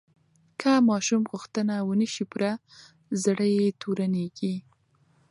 که ماشوم غوښتنه ونه شي پوره، زړه یې تورېږي.